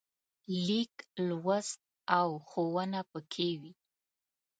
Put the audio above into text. لیک لوست او ښوونه پکې وي.